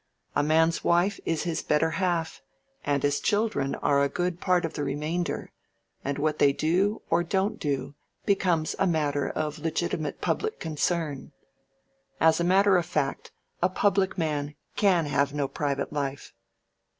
A man's wife is his better half and his children are a good part of the remainder, and what they do or don't do becomes a matter of legitimate public concern. As a matter of fact, a public man can have no private life."